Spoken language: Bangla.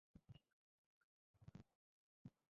জাহাজে স্টোনের জায়গা হবে না।